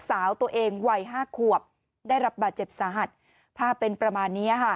สาวตัวเองวัยห้าขวบได้รับบาดเจ็บสาหัสภาพเป็นประมาณนี้ค่ะ